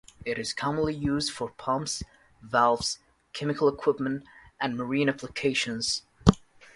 It is commonly used for pumps, valves, chemical equipment, and marine applications.